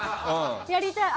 やりたい！